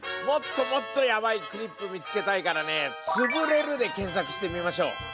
もっともっとヤバイクリップ見つけたいからね「つぶれる」で検索してみましょう！